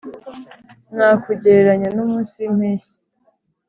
nakugereranya n'umunsi w'impeshyi?